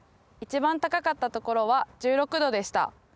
一番高かったところは１６℃でした。